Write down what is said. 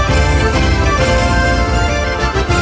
สวัสดีครับ